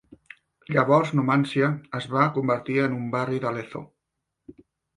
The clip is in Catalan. Llavors, Numancia, es va convertir en un "barri" de Lezo.